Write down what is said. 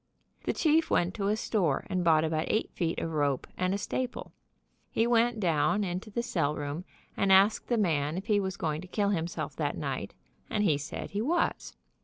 The chief went to a store and bought about eight feet of rope and a staple. He went down into the cell GAVE THE PRISONER ROPE room, and asked the man if he was going to kill him self that night, and he said he was.